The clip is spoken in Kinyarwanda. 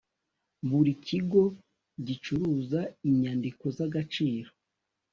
buri kigo gicuruza inyandiko z’ agaciro.